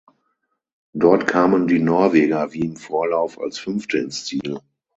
Dort kamen die Norweger wie im Vorlauf als Fünfte ins Ziel.